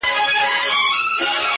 نړوم غرونه د تمي، له اوږو د ملایکو.